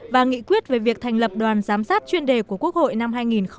và nghị quyết về việc thành lập đoàn giám sát chuyên đề của quốc hội năm hai nghìn hai mươi